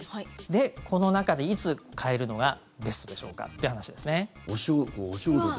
この中でいつ替えるのがベストでしょうか？という話ですね。